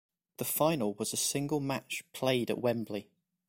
The final was a single match played at Wembley.